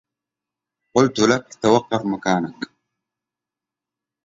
قلت لك توقف مكانك.